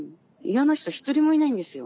嫌な人ひとりもいないんですよ。